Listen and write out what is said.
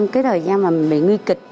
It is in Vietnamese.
cái thời gian mà mình bị nguy kịch